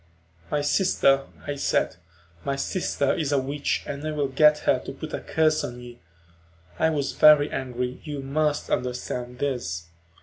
"My sister," I said. "My sister is a witch and I will get her to put a curse on you." I was very angry, you must understand this.